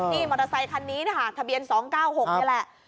นี่มอเตอร์ไซคันนี้นะคะทะเบียน๒๙๖นี่แหละ